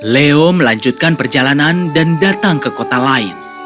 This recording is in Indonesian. leo melanjutkan perjalanan dan datang ke kota lain